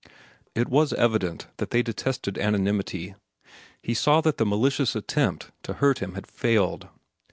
It was evident that they detested anonymity. He saw that the malicious attempt to hurt him had failed.